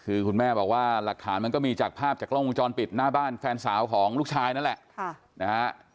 คือคุณแม่บอกว่าหลักฐานมันก็มีจากภาพจากกล้องวงจรปิดหน้าบ้านแฟนสาวของลูกชายนั่นแหละนะฮะ